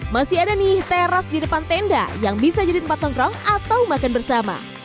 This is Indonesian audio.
masih ada nih teras di depan tenda yang bisa jadi tempat nongkrong atau makan bersama